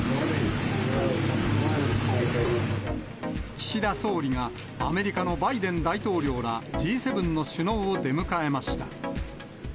岸田総理が、アメリカのバイデン大統領ら、Ｇ７の首脳を出迎えました。